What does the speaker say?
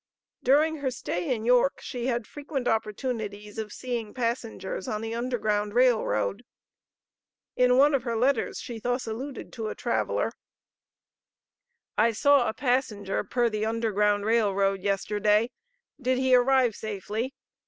During her stay in York she had frequent opportunities of seeing passengers on the Underground Rail Road. In one of her letters she thus alluded to a traveler: "I saw a passenger per the Underground Rail Road yesterday; did he arrive safely?